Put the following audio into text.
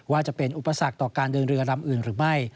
ว่าจะเป็นอุปสรรคต่อการเดินเรือลำอื่นหรือไม่